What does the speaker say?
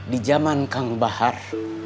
di jaman kang bahar